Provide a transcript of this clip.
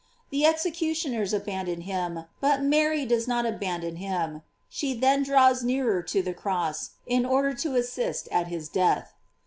The execution ers abandon him, but Mary does not abandon him. She then draws nearer to the cross, in order to assist at his death.